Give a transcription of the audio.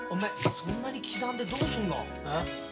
そんなに刻んでどうするが？え？